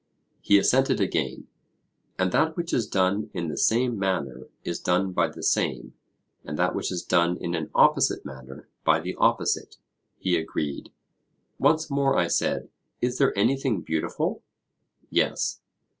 He assented again. And that which is done in the same manner, is done by the same; and that which is done in an opposite manner by the opposite? He agreed. Once more, I said, is there anything beautiful? Yes.